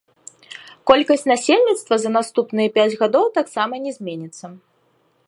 Колькасць насельніцтва за наступныя пяць гадоў таксама не зменіцца.